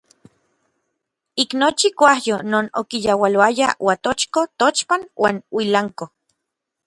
Ik nochi kuajyo non okiyaualoaya Uatochko, Tochpan uan Uilanko.